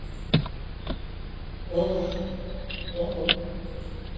Oh, o mu?